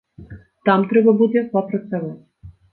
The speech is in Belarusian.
Там трэба будзе папрацаваць.